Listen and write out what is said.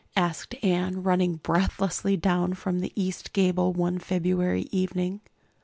asked Anne, running breathlessly down from the east gable one February evening.